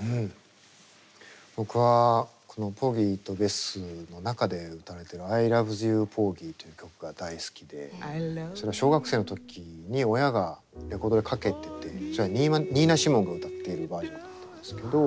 うん僕はこの「ポーギーとベス」の中で歌われてる「ＩＬｏｖｅｓＹｏｕ，Ｐｏｒｇｙ」という曲が大好きでそれは小学生の時に親がレコードでかけててそれはニーナ・シモンが歌ってるバージョンだったんですけど。